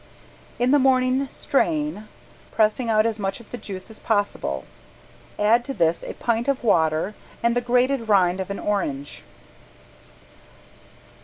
In the morning strain, pressing out as much of the juice as possible. Add to this a pint of water and the grated rind of an orange.